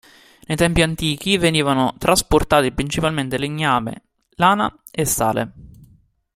Nei tempi antichi venivano trasportati principalmente legname, lana e sale.